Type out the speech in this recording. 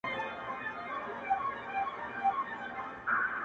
خور وايي وروره- ورور وای خورې مه ځه-